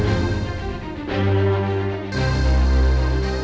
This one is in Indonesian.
bisa cara dihentikan